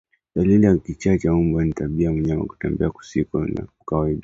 Dalili ya kichaa cha mbwa ni tabia ya mnyama kutembea kusiko kwa kawaida